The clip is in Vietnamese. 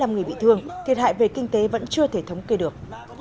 chín mươi năm người bị thương thiệt hại về kinh tế vẫn chưa thể thống kê được